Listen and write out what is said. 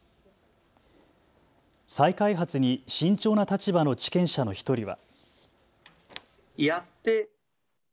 再開発に慎重な立場の地権者の１人は。